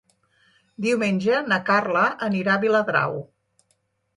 Diumenge na Carla anirà a Viladrau.